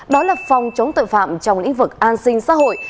đó là phòng chống tội phạm trong lĩnh vực an sinh xã hội